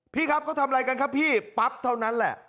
พี่ครับเขาทำอะไรกันครับพี่ปั๊บเท่านั้นแหละ